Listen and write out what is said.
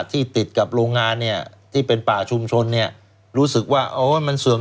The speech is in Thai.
ที่ติดกับโรงงานที่เป็นป่าชุมชนรู้สึกว่ามันสวม